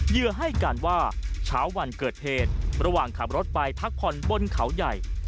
เหยืการว่าเช้าวันเกิดเหตุระหว่างขับรถไปพักผ่อนบนเขาใหญ่